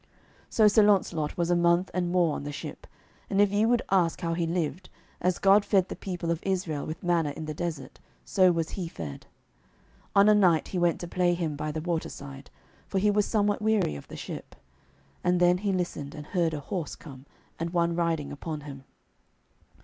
So Sir Launcelot was a month and more on the ship, and if ye would ask how he lived, as God fed the people of Israel with manna in the desert, so was he fed. On a night he went to play him by the waterside, for he was somewhat weary of the ship. And then he listened, and heard a horse come, and one riding upon him.